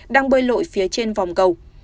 đang bơi lội phía trên vòng cầu